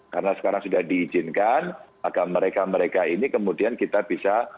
karena sekarang sudah diizinkan agar mereka mereka ini kemudian kita bisa